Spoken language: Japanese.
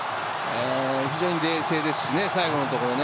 非常に冷静ですしね最後のところね。